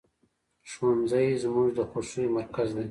ښوونځی زموږ د خوښیو مرکز دی